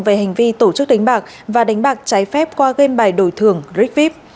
về hành vi tổ chức đánh bạc và đánh bạc trái phép qua game bài đổi thưởng rick vip